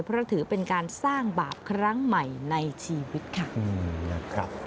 เพราะถือเป็นการสร้างบาปครั้งใหม่ในชีวิตค่ะนะครับ